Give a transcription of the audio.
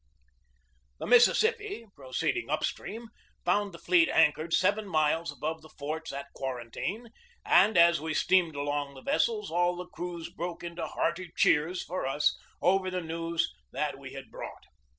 The Mississippi, proceeding upstream, found the fleet anchored seven miles above the forts at quar antine, and, as we steamed among the vessels, all the crews broke into hearty cheers for us over the news that we had brought.